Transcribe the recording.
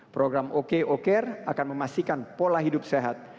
program ok okr akan memastikan pola hidup sehat